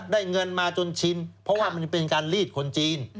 ได้เงินมาจนชินเพราะว่ามันเป็นการลีดคนจีน